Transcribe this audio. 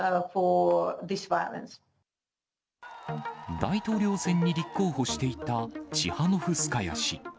大統領選に立候補していたチハノフスカヤ氏。